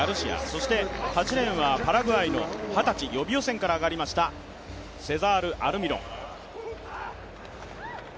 そして８レーンはパラグアイの二十歳、予備予選から上がりましたセザール・アルミロン。